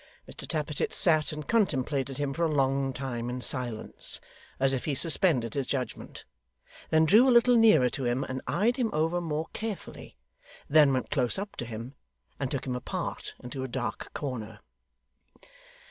Mr Tappertit sat and contemplated him for a long time in silence, as if he suspended his judgment; then drew a little nearer to him, and eyed him over more carefully; then went close up to him, and took him apart into a dark corner.